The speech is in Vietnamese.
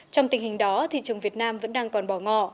trong tình hình đó thị trường việt nam vẫn đang còn bỏ ngò